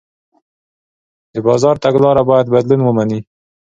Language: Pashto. د بازار تګلاره باید بدلون ومني.